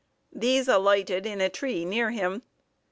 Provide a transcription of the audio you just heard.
These alighted in a tree near him.